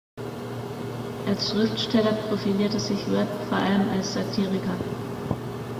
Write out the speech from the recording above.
Als Schriftsteller profilierte sich Webb als vor allem als Satiriker.